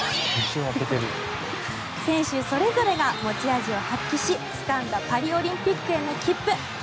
選手それぞれが持ち味を発揮しつかんだパリオリンピックへの切符。